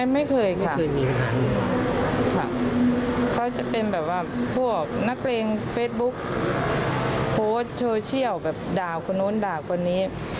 ไม่เคยค่ะเขาจะเป็นแบบว่าพวกนักเลงเฟสบุ๊กโพสต์โชเชียลแบบด่าคนนู้นด่าคนนี้